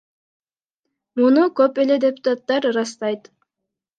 Муну көп эле депутаттар ырастайт.